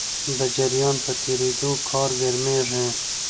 د جریان په تېرېدو تار ګرمېږي.